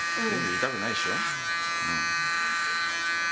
痛くないでしょ。